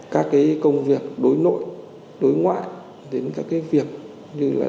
các cái công việc đối nội đối ngoại đến các cái việc như là